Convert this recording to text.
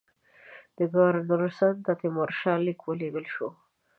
د کورنوالیس ته د تیمورشاه لیک ولېږل شو.